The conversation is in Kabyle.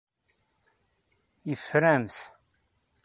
Yeffer-am-t.